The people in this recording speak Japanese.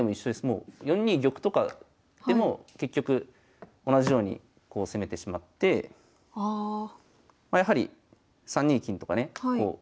もう４二玉とかでも結局同じようにこう攻めてしまってやはり３二金とかね